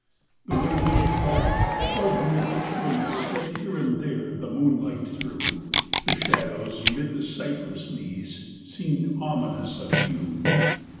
The way was black, albeit the trees Let here and there the moonlight through, The shadows, 'mid the cypress knees, Seemed ominous of hue.